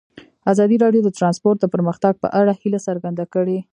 ازادي راډیو د ترانسپورټ د پرمختګ په اړه هیله څرګنده کړې.